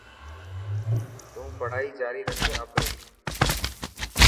تون پڙهائي جاري رک آپري.